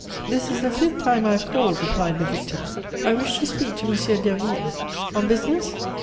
"This is the fifth time I have called," replied the victim. "I wish to speak to M. Derville." "On business?"